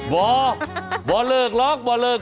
บ่าเลิกล้อบ่าเลิก